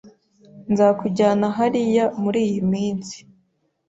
Nzakujyana hariya muriyi minsi.